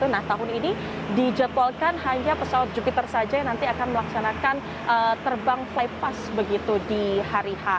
nah tahun ini dijadwalkan hanya pesawat jupiter saja yang nanti akan melaksanakan terbang flypass begitu di hari h